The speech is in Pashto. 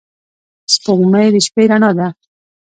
سپوږمۍ د شپې رڼا ده